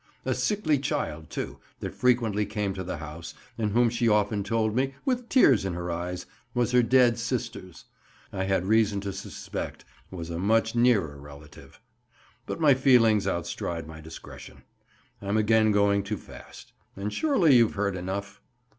A sickly child, too, that frequently came to the house, and whom she often told me, with tears in her eyes, was her 'dead sister's,' I had reason to suspect was a much nearer relative. But my feelings outstride my discretion. I'm again going too fast, and surely you've heard enough?"